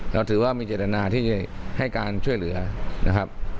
เราถือว่ามีเจตนาที่จะให้การช่วยเหลือนะครับ